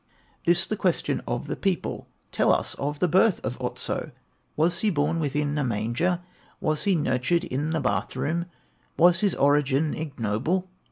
This the question of the people: "Tell us of the birth of Otso! Was he born within a manger, Was he nurtured in the bath room Was his origin ignoble?"